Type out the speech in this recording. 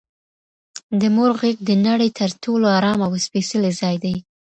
د مور غیږ د نړۍ تر ټولو ارام او سپیڅلی ځای دی